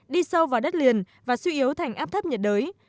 đi sâu vào đất liền và suy yếu thành áp thấp nhiệt đới